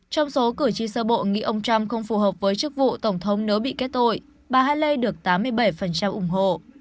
trong số cử tri sơ bộ nghĩ ông trump không phù hợp với chức vụ tổng thống nếu bị kết tội bà haley được tám mươi bảy ủng hộ